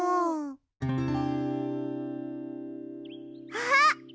あっ！